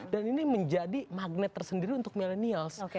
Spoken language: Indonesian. dan ini menjadi magnet tersendiri untuk millennials